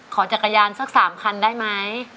ขอจักรยานสัก๓คันได้ไหม